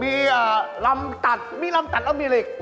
มีลำตัดมีลำตัดแล้วมีอะไรอีก